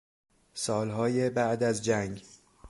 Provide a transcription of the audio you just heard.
سالهای بعد از جنگ